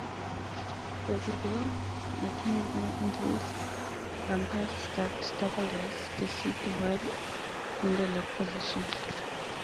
The swivel mechanism includes bumpers that stabilize the seat while in the lock position.